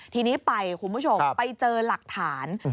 ทีนี้ไปคุณผู้ชมไปเจอหลักฐาน